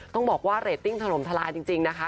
ต้องบอกว่าเรตติ้งถล่มทลายจริงนะคะ